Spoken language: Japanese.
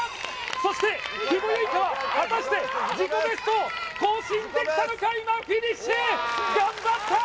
そして久保結花は果たして自己ベストを更新できたのか今フィニッシュ頑張ったー！